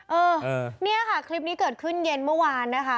เออเนี่ยค่ะคลิปนี้เกิดขึ้นเย็นเมื่อวานนะคะ